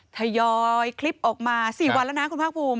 ทยอยคลิปออกมา๔วันแล้วนะคุณภาคภูมิ